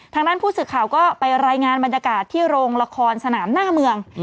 ทางด้านผู้สื่อข่าวก็ไปรายงานบรรยากาศที่โรงละครสนามหน้าเมือง